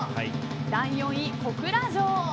第４位、小倉城。